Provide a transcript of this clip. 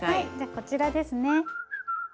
こちらですね。